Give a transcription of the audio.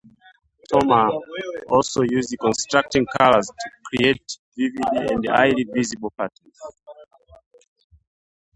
Toomer also used contrasting colors to create vivid and highly visible patterns.